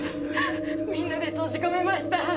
みんなで閉じ込めました。